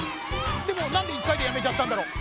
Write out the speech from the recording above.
でもなんで１かいでやめちゃったんだろう？